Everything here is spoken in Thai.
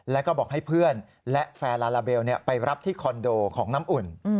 แล้วก็บอกให้เพื่อนและแฟนลาลาเบลไปรับที่คอนโดของน้ำอุ่น